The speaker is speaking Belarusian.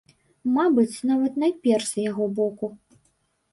Мабыць, нават найперш з яго боку.